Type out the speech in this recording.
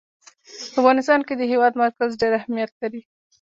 په افغانستان کې د هېواد مرکز ډېر اهمیت لري.